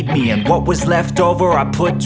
nindy masih hidup